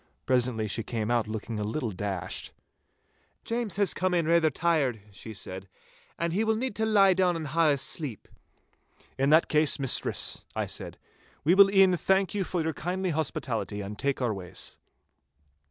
Presently she came out looking a little dashed. 'James has come in raither tired,' she said, 'and he will need to lie down and hae a sleep.' 'In that case, mistress,' I said, 'we will e'en thank you for your kindly hospitality and take our ways.